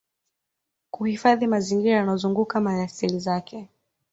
Kuhifadhi mazingira yanayozunguka maliasili zake